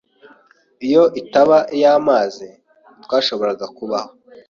Iyo itaba iy'amazi, ntitwashoboraga kubaho.